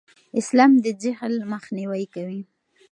اسلام د جهل مخنیوی کوي.